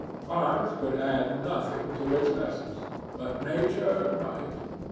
Art could add nothing to its lessons, but Nature might.